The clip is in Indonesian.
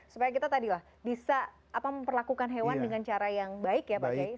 supaya kita tadi lah bisa memperlakukan hewan dengan cara yang baik ya pak kiai